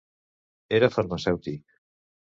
Era farmacèutic.